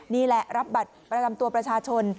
นี่แหละรับบัตรประจำตัวประชาชน